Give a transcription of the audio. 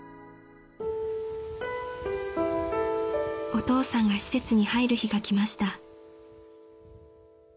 ［お父さんが施設に入る日が来ました］